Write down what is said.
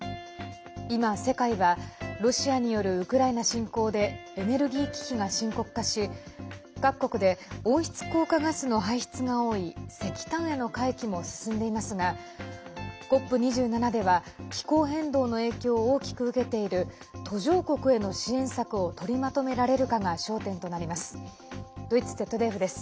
今、世界はロシアによるウクライナ侵攻でエネルギー危機が深刻化し各国で温室効果ガスの排出が多い石炭への回帰も進んでいますがＣＯＰ２７では気候変動の影響を大きく受けている途上国への支援策を取りまとめられるかが焦点となります。